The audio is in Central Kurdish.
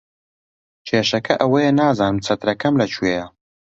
کێشەکە ئەوەیە نازانم چەترەکەم لەکوێیە.